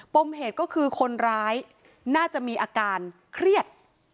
มเหตุก็คือคนร้ายน่าจะมีอาการเครียด